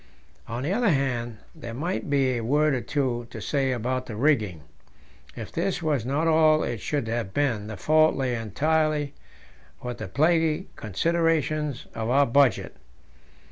On the other hand, there might be a word or two to say about the rigging; if this was not all it should have been, the fault lay entirely with the plaguy considerations of our budget.